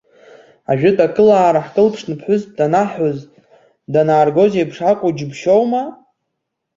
Ажәытә акылаара ҳкылԥшны ԥҳәыс данаҳҳәоз, данааргоз еиԥш акәу џьыбшьома?!